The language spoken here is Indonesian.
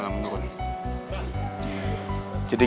ya menurut beklah